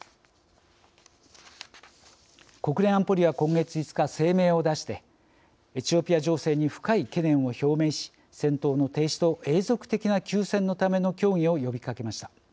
国連安保理は今月５日、声明を出してエチオピア情勢に深い懸念を表明し戦闘の停止と永続的な休戦のための協議を呼びかけました。